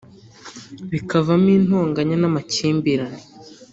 bikavamo intonganya n’amakimbirane